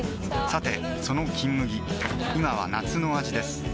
さてその「金麦」今は夏の味です